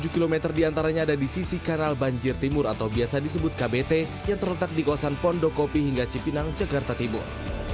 tujuh km diantaranya ada di sisi kanal banjir timur atau biasa disebut kbt yang terletak di kawasan pondokopi hingga cipinang jakarta timur